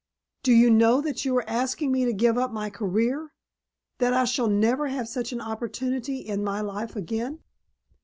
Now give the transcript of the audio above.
"Do you know that you are asking me to give up my career? That I shall never have such an opportunity in my life again?